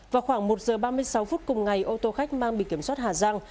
vào khoảng một giờ ba mươi sáu phút cùng ngày ô tô khách mang bị kiểm soát hà giang